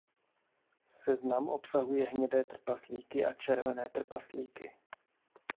Seznam obsahuje hnědé trpaslíky a červené trpaslíky.